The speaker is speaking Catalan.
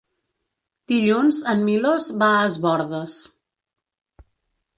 Dilluns en Milos va a Es Bòrdes.